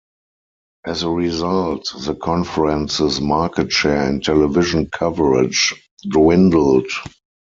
As a result, the conference's market share in television coverage dwindled.